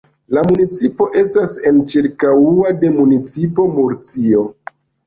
La municipo estas enĉirkaŭa de municipo Murcio.